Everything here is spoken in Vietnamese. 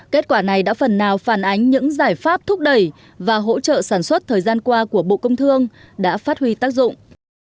kết quả này đã phần nào phản ánh những giải pháp thúc đẩy và hỗ trợ sản xuất thời gian qua của bộ công thương đã phát huy tác dụng